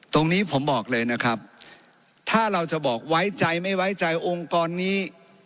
ตรงนี้ผมบอกเลยนะครับถ้าเราจะบอกไว้ใจไม่ไว้ใจองค์กรนี้